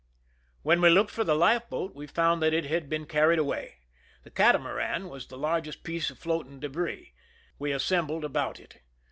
When we looked for the life boat we found that it had been carried away. The catamaran was the largest piece of floating debris ; we assembled about it.